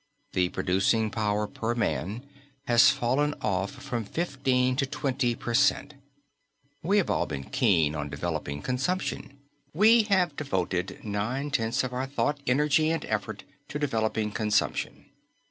The producing power per man has fallen off from fifteen to twenty per cent. We have all been keen on developing consumption. We have devoted nine tenths of our thought, energy and effort to developing consumption.